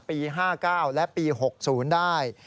ปี๕๙และปี๖๐ได้